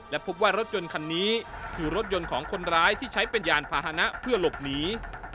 และพบว่ารถยนต์คันนี้คือรถยนต์ของคนร้ายที่ใช้เป็นยานพาหนะเพื่อหลบหนี